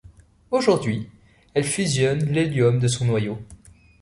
Aujourd'hui, elle fusionne l'hélium de son noyau.